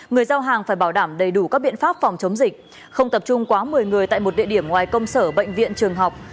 người giao hàng phải bảo đảm đầy đủ các biện pháp phòng chống dịch không tập trung quá một mươi người tại một địa điểm ngoài công sở bệnh viện trường học